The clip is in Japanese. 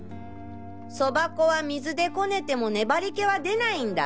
そば粉は水でこねても粘り気は出ないんだ。